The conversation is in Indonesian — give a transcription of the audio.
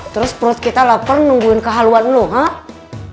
terus perut kita lapar nungguin ke haluan lo haa